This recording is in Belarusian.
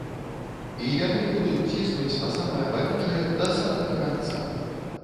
І яны будуць ціснуць на самае балючае да самага канца.